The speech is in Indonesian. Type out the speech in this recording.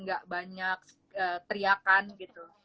gak banyak teriakan gitu